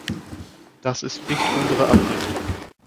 Das ist nicht unsere Absicht.